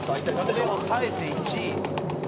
これ抑えて１位？